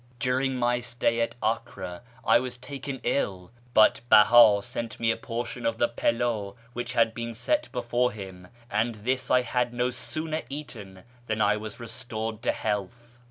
During my stay at Acre I was taken ill, but Beha sent me a portion of the pildvj which had been set before him, and this I had no sooner eaten than I was restored to health.